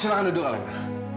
silahkan duduk alena